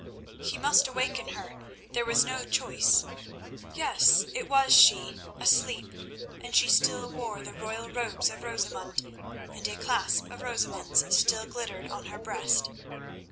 He must awaken her; there was no choice. Yes, it was she, asleep, and she still wore the royal robes of Rosamund, and a clasp of Rosamund's still glittered on her breast.